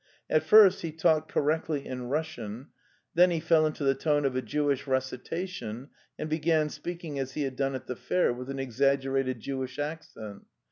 At first he talked correctly in Russian, then he fell into the tone of a Jewish recitation, and began speak ing as he had done at the fair with an exaggerated Jewish accent.